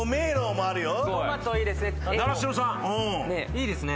いいですね。